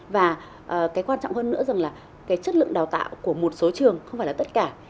và cái quan trọng hơn nữa rằng là cái chất lượng đào tạo của một số trường không phải là tất cả